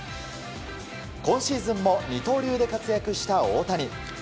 今シーズンも二刀流で活躍した大谷。